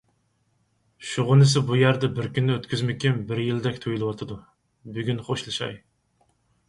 شۇغىنىسى بۇ يەردە بىر كۈننى ئۆتكۈزمىكىم بىر يىلدەك تۇيۇلۇۋاتىدۇ، بۈگۈن خوشلىشاي.